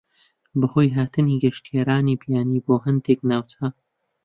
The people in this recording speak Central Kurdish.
بەهۆی هاتنی گەشتیارانی بیانی بۆ هەندێک ناوچە